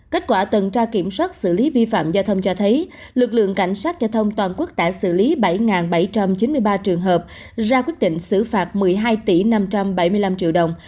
kết quả tuần tra kiểm soát xử lý vi phạm giao thông cho thấy lực lượng cảnh sát giao thông toàn quốc đã xử lý bảy bảy trăm chín mươi ba trường hợp ra quyết định xử phạt một mươi hai tỷ năm trăm bảy mươi năm triệu đồng